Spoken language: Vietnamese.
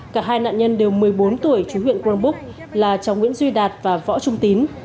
cả hai nạn nhân đều một mươi bốn tuổi chú huyện crong búc là cháu nguyễn duy đạt và võ trung tín